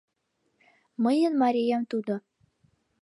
Мыйын марием тудо.